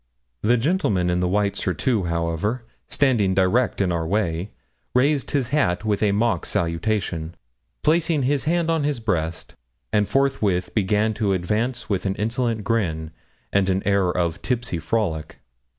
The gentleman in the white surtout, however, standing direct in our way, raised his hat with a mock salutation, placing his hand on his breast, and forthwith began to advance with an insolent grin and an air of tipsy frolic.